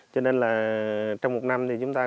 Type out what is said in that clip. cho nên là trong một năm thì chúng ta có thể